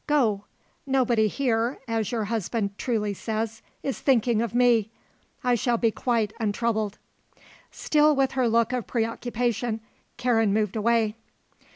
"Go. Nobody here, as your husband truly says, is thinking of me. I shall be quite untroubled." Still with her look of preoccupation Karen moved away.